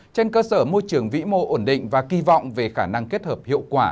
trên cơ sở môi trường vĩ mô ổn định và kỳ vọng về khả năng kết hợp hiệu quả